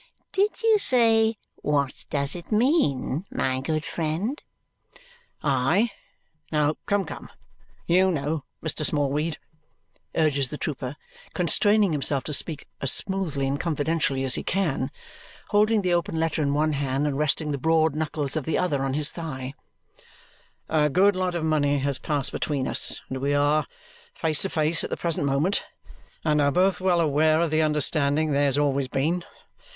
Did you say what does it mean, my good friend?" "Aye! Now, come, come, you know, Mr. Smallweed," urges the trooper, constraining himself to speak as smoothly and confidentially as he can, holding the open letter in one hand and resting the broad knuckles of the other on his thigh, "a good lot of money has passed between us, and we are face to face at the present moment, and are both well aware of the understanding there has always been.